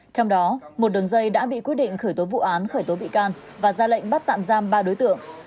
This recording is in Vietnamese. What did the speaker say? trong đó một đường dây đã bị quyết định khởi tố vụ án khởi tố bị can và ra lệnh bắt tạm giam ba đối tượng